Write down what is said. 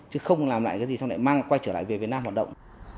chứ không làm lại cái gì xong lại mang quay trở lại về việt nam hoạt động